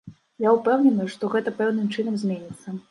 Я ўпэўнены, што гэта пэўным чынам зменіцца.